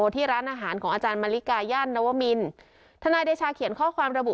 ที่ร้านอาหารของอาจารย์มาริกาย่านนวมินทนายเดชาเขียนข้อความระบุ